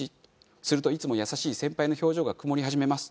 するといつも優しい先輩の表情が曇り始めます。